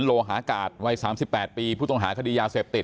โลหากาศวัย๓๘ปีผู้ต้องหาคดียาเสพติด